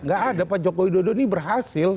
gak ada pak jokowi dodo ini berhasil